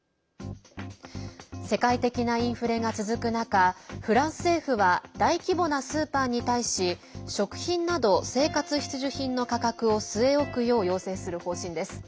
世界的なインフレが続く中フランス政府は大規模なスーパーに対し食品など生活必需品の価格を据え置くよう要請する方針です。